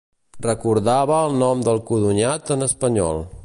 Recordava el nom del codonyat en espanyol.